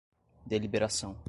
deliberação